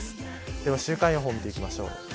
では週間予報見ていきましょう。